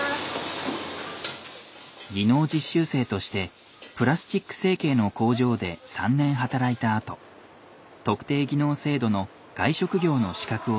技能実習生としてプラスチック成形の工場で３年働いたあと特定技能制度の外食業の資格を取って就職。